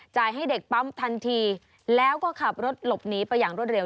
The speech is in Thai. ให้เด็กปั๊มทันทีแล้วก็ขับรถหลบหนีไปอย่างรวดเร็